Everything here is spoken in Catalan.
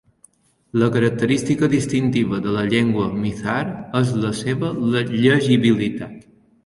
La característica distintiva de la llengua Mizar és la seva llegibilitat.